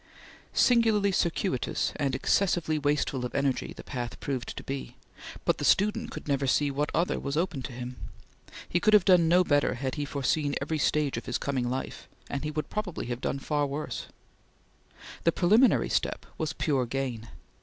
Singularly circuitous and excessively wasteful of energy the path proved to be, but the student could never see what other was open to him. He could have done no better had he foreseen every stage of his coming life, and he would probably have done worse. The preliminary step was pure gain.